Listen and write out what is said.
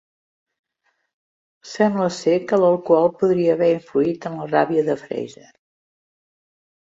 Sembla ser que l'alcohol podria haver influït en la ràbia de Fraser.